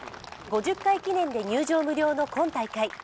５０回記念で、入場無料の今大会。